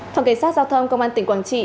phòng cảnh sát giao thông cơ quan tỉnh quảng trị